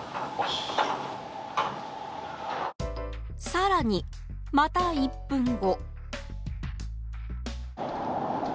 更に、また１分後。